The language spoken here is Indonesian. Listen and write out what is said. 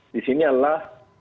di sini adalah